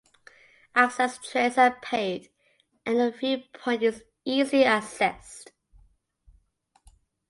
Access trails are paved and the viewpoint is easily accessed.